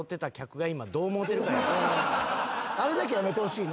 あれだけやめてほしいな。